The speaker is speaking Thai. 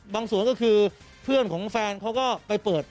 สวนก็คือเพื่อนของแฟนเขาก็ไปเปิด